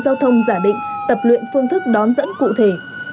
giao thông giả định tập luyện phương thức đón dẫn cụ thể